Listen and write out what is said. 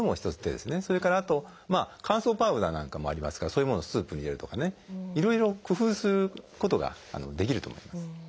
それからあと乾燥パウダーなんかもありますからそういうものをスープに入れるとかねいろいろ工夫することができると思います。